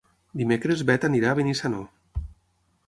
Dimecres na Bet anirà a Benissanó.